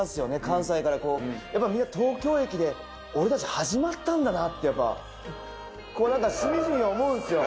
関西からやっぱみんな東京駅で俺たち始まったんだなって何かしみじみ思うんですよ。